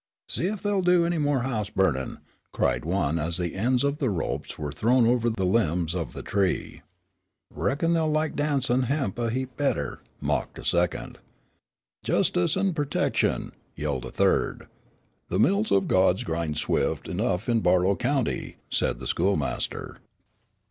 "See ef they'll do anymore house burnin'!" cried one as the ends of the ropes were thrown over the limbs of the tree. "Reckon they'll like dancin' hemp a heap better," mocked a second. "Justice an' pertection!" yelled a third. "The mills of the gods grind swift enough in Barlow County," said the schoolmaster.